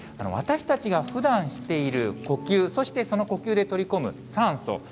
私たちがふだんしている呼吸、そしてその呼吸で取り込む酸素。